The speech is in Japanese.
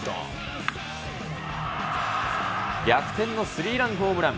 逆転のスリーランホームラン。